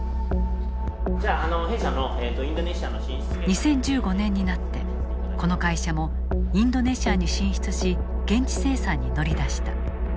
２０１５年になってこの会社もインドネシアに進出し現地生産に乗り出した。